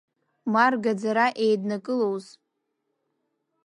Ма ргаӡара еиднакылозу?